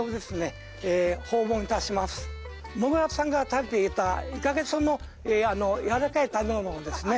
もぐらさんが食べていたいかげそのやわらかい食べ物をですね